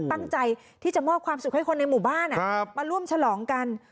ตั้งใจที่จะมอบความสุขให้คนในหมู่บ้านมาร่วมฉลองกัน